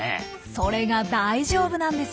それが大丈夫なんですよ。